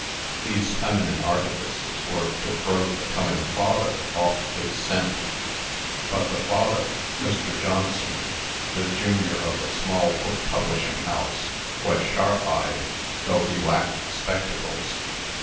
These feminine artifices were to throw the coming father off his scent. But the father (Mr. Johnsone, the junior of a small book publishing house) was sharp eyed, though he lacked spectacles.